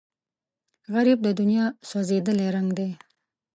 غریب د دنیا سوځېدلی رنګ دی